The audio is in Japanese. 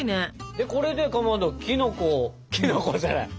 でこれでかまどきのこをきのこじゃない！